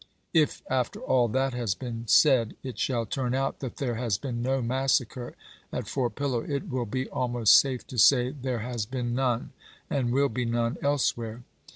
If after all that has been said it shall turn out that there has been no mas sacre at Fort Pillow it will be almost safe to say there has been none, and will be none, elsewhere.